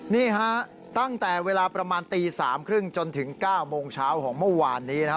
นี่ฮะตั้งแต่เวลาประมาณตี๓๓๐จนถึง๙โมงเช้าของเมื่อวานนี้นะครับ